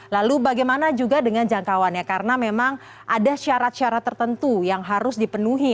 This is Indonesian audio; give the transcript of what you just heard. lalu bagaimana juga dengan jangkauannya karena memang ada syarat syarat tertentu yang harus dipenuhi